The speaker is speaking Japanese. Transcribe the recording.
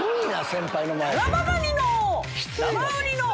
先輩の前で。